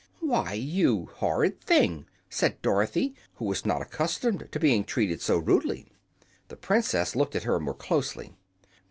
"Why, you horrid thing!" said Dorothy, who was not accustomed to being treated so rudely. The Princess looked at her more closely.